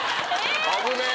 危ねえ！